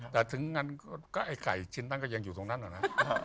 แต่ถึงงั้นก็ไอ้ไก่ชิ้นนั้นก็ยังอยู่ตรงนั้นเหรอนะ